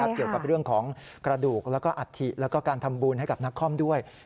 เกี่ยวกับเรื่องของกระดูกแล้วก็อัฐิแล้วก็การทำบุญให้กับนักคอมด้วย